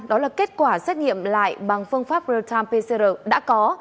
đó là kết quả xét nghiệm lại bằng phương pháp real time pcr đã có